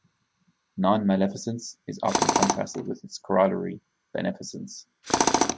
Non-maleficence is often contrasted with its corollary, beneficence.